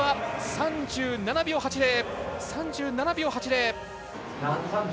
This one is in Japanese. ３７秒８０。